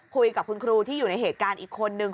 คุยกับคุณครูที่อยู่ในเหตุการณ์อีกคนนึง